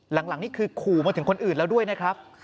หลังนี่คือขู่มาถึงคนอื่นแล้วด้วยนะครับ